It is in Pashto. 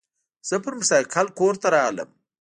زه پر موترسایکل کور ته رالم.